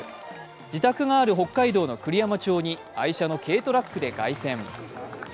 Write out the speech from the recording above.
自宅がある北海道の栗山町に愛車の軽トラックで凱旋。